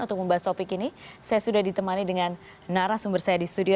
untuk membahas topik ini saya sudah ditemani dengan narasumber saya di studio